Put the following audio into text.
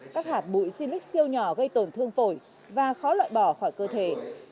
các hạt bụi sinh lịch siêu nhỏ gây tổn thương phổi và khó loại bỏ khỏi cơ thể